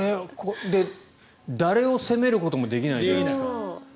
誰を責めることもできないですから。